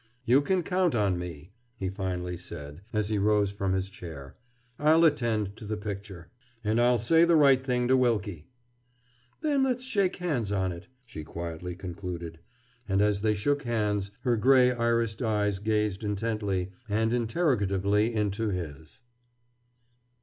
"You can count on me," he finally said, as he rose from his chair. "I'll attend to the picture. And I'll say the right thing to Wilkie!" "Then let's shake hands on it!" she quietly concluded. And as they shook hands her gray irised eyes gazed intently and interrogatively into his.